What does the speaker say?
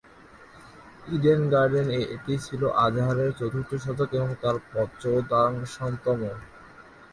Eden গার্ডেনে এটি ছিল আজহারের চতুর্থ শতক এবং তাঁর পঁচদশাংশতম।